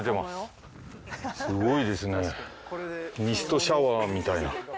すごいですねミストシャワーみたいな。